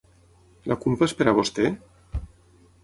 La culpa és per a vostè?